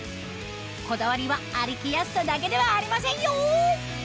こだわりは歩きやすさだけではありませんよ